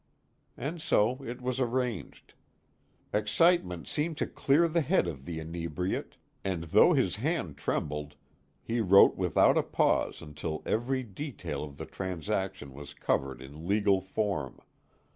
And so it was arranged. Excitement seemed to clear the head of the inebriate, and though his hand trembled, he wrote without a pause until every detail of the transaction was covered in legal form.